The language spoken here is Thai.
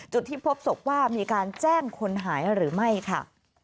จุดที่พบศพว่ามีการแจ้งคนหายหรือไม่ค่ะ